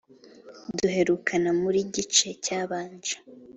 duherukana muri gice cyabanje